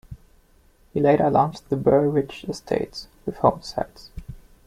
He later launched the Burr Ridge Estates, with home sites.